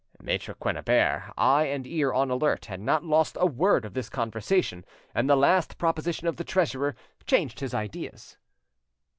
Maitre Quennebert, eye and ear on the alert, had not lost a word of this conversation, and the last proposition of the treasurer changed his ideas.